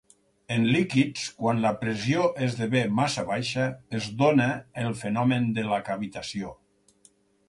En líquids, quan la pressió esdevé massa baixa, es dóna el fenomen de la cavitació.